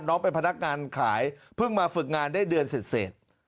เป็นพนักงานขายเพิ่งมาฝึกงานได้เดือนเสร็จ